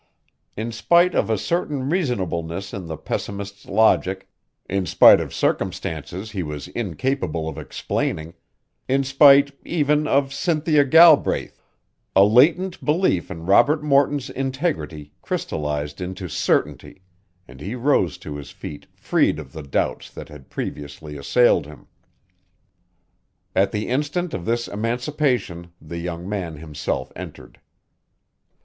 In spite of a certain reasonableness in the pessimist's logic; in spite of circumstances he was incapable of explaining; in spite, even, of Cynthia Galbraith, a latent belief in Robert Morton's integrity crystallized into certainty, and he rose to his feet freed of the doubts that had previously assailed him. At the instant of this emancipation the young man himself entered.